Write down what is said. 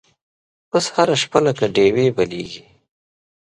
اوس هره شپه لکه ډیوې بلیږې